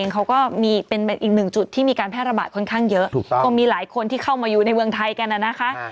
ก็มีหลายคนที่เข้ามาอยู่ในเวืองไทยกันน่ะนะคะ